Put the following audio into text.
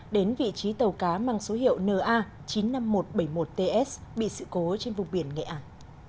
đến vị trí tàu cá mang số hiệu na chín mươi năm nghìn một trăm bảy mươi một ts bị sự cố trên vùng biển nghệ an